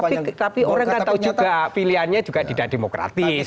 tapi orang tau juga pilihannya juga tidak demokratis